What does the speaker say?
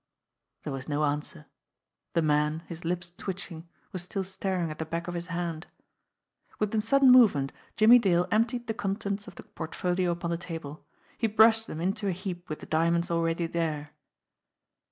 There was no answer. The man, his lips twitching, was still staring at the back of his hand. With a sudden movement, Jimmie Dale emptied the con tents of the portfolio upon the table. He brushed them into a heap with the diamonds already there.